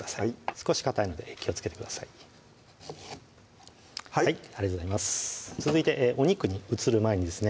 少しかたいので気をつけてくださいありがとうございます続いてお肉に移る前にですね